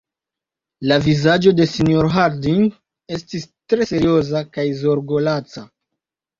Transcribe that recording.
La vizaĝo de sinjorino Harding estis tre serioza kaj zorgolaca.